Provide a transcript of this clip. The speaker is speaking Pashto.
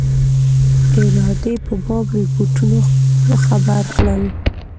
ارادې په باب رپوټونو خبر کړل.